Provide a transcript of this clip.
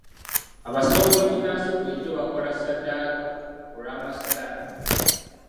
Abasawo b'ekinnansi bulijjo bakola saddaaka ku lw'amasitaani.